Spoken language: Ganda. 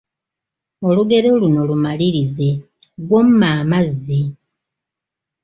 Olugero luno lumalirize : Gw'omma amazzi, …..